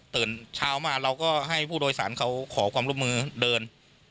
ตื่นเช้ามาเราก็ให้ผู้โดยสารเขาขอความร่วมมือเดิน